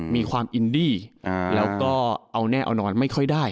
มีความอินดีแล้วก็เอาแน่เอานอนไม่ค่อยได้